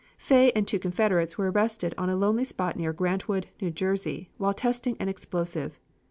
..." Fay and two confederates were arrested in a lonely spot near Grantwood, New Jersey, while testing an explosive.